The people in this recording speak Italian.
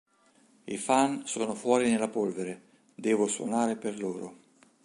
I fan sono fuori nella polvere, devo suonare per loro.